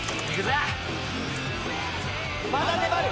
まだ粘る。